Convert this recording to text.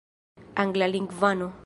anglalingvano